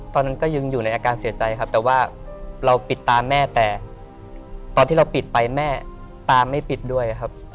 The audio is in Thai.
ตอนนั้นก็ยังอยู่ในอาการเสียใจครับแต่ว่าเราปิดตาแม่แต่ตอนที่เราปิดไปแม่ตาไม่ปิดด้วยครับ